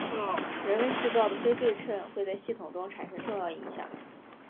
人为制造的非对称会在系统中产生重要影响。